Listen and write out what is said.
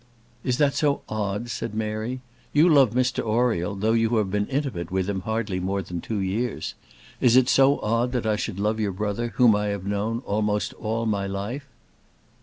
"It that so odd?" said Mary. "You love Mr Oriel, though you have been intimate with him hardly more than two years. Is it so odd that I should love your brother, whom I have known almost all my life?"